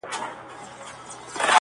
مګر راتلونکي کې به مصنوعي ښکاري